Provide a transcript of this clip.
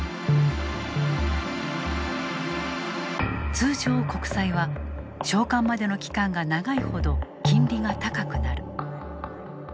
通常、国債は償還までの期間が長いほど金利が高くなる。